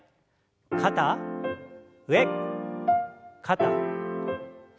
肩上肩下。